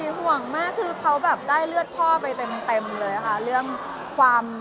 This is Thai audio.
เจ้าขุนก็คุยจริงว่าขุนน่ะ